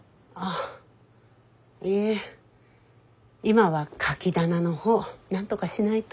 今はカキ棚の方なんとかしないと。